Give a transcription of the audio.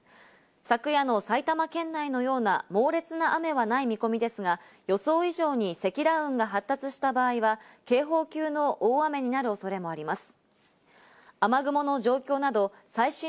昨夜の埼玉県内のような猛烈な雨はない見込みですが、予想以上に積乱雲が発達した場合は警報級の大雨になる恐れもあります。